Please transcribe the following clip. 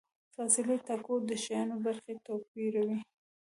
فاصلې ټاکو او د شیانو برخې توپیروو.